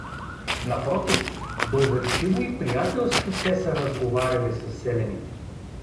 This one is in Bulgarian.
Напротив, доверчиво и приятелски те са разговаряли със селяните.